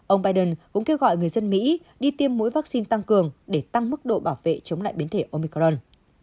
ông biden cũng kêu gọi người dân mỹ đi tiêm mũi vaccine tăng cường để tăng mức độ bảo vệ chống lại biến thể omicron